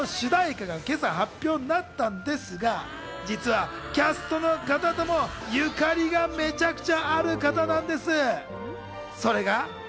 その映画の主題歌が今朝発表になったんですが、実はキャストの方ともゆかりがめちゃくちゃある方なんです。